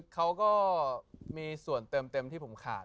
เขาก็มีส่วนเติมเต็มที่ผมขาด